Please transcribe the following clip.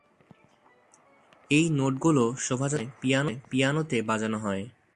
এই নোটগুলো শোভাযাত্রার সময় পিয়ানোতে বাজানো হয়।